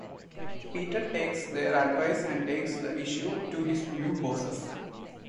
Peter takes their advice and takes the issue to his new bosses.